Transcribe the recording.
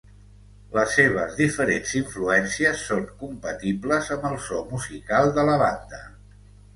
Les seves diferents influències són compatibles amb el so musical de la banda.